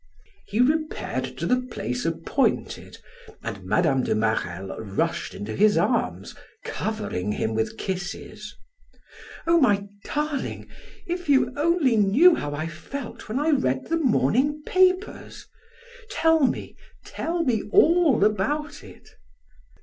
Clo." He repaired to the place appointed, and Mme. de Marelle rushed into his arms, covering him with kisses. "Oh, my darling, if you only knew how I felt when I read the morning papers! Tell me, tell me all about it."